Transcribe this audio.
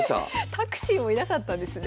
タクシーもいなかったんですね。